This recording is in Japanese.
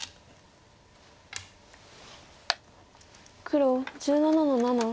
黒１７の七。